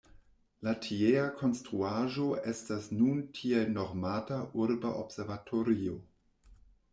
La tiea konstruaĵo estas nun tiel nomata Urba Observatorio.